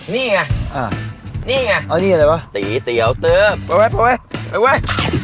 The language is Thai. นี่ไงนี่ไงตีเตี๋ยวเตือบไปไว้